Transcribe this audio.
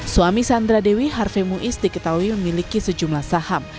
suami sandra dewi harve muiz diketahui memiliki sejumlah saham